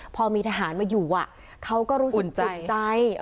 พอมีทหารมาอยู่เขาก็รู้สึกตกใจ